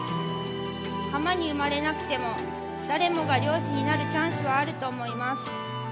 浜に生まれなくても誰もが漁師になるチャンスはあると思います。